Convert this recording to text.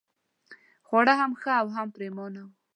خواړه هم ښه او هم پرېمانه وو.